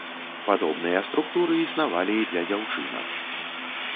Падобныя структуры існавалі і для дзяўчынак.